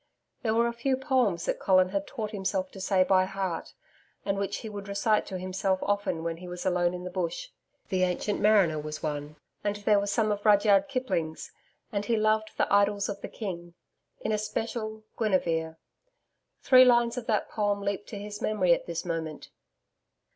There were a few poems that Colin had taught himself to say by heart, and which he would recite to himself often when he was alone in the Bush. THE ANCIENT MARINER was one, and there were some of Rudyard Kipling's and he loved THE IDYLLS OF THE KING in especial GUINIVERE. Three lines of that poem leaped to his memory at this moment.